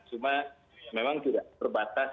cuma memang tidak terbatas